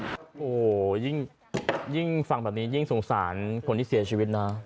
โอ้โหยิ่งฟังแบบนี้ยิ่งสงสารคนที่เสียชีวิตนะ